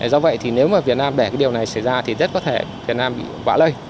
do vậy thì nếu mà việt nam để cái điều này xảy ra thì rất có thể việt nam bị bã lây